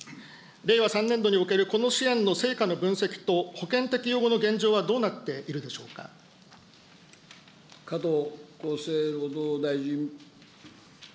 令和３年度におけるこの支援の成果の分析と、保険適用後の現状は加藤厚生労働大臣。